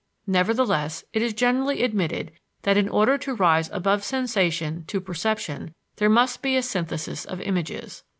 Nevertheless, it is generally admitted that in order to rise above sensation to perception, there must be a synthesis of images.